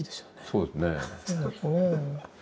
そうですね。